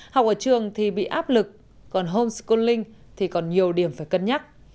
học ở trường thì bị áp lực còn homeschooling thì còn nhiều điểm phải cân nhắc